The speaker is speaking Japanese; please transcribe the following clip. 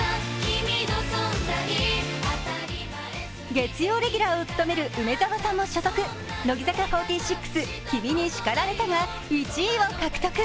月曜レギュラーを務める梅澤さんも所属、乃木坂４６、「君に叱られた」が１位を獲得。